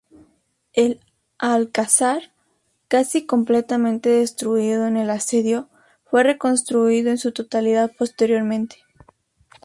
El alcázar, casi completamente destruido en el asedio, fue reconstruido en su totalidad posteriormente.